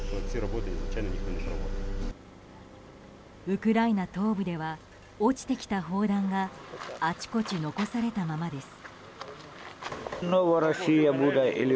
ウクライナ東部では落ちてきた砲弾があちこち残されたままです。